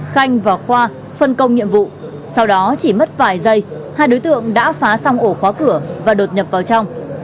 khanh và khoa phân công nhiệm vụ sau đó chỉ mất vài giây hai đối tượng đã phá xong ổ khóa cửa và đột nhập vào trong